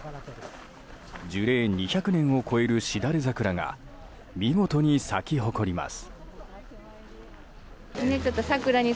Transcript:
樹齢２００年を超えるしだれ桜が見事に咲き誇ります。